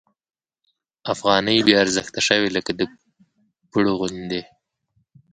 افغانۍ بې ارزښته شوې لکه د پړو غوندې.